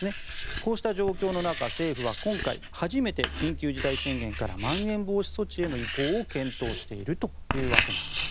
こうした状況の中政府は今回、緊急事態宣言からまん延防止措置への移行を検討しているというわけです。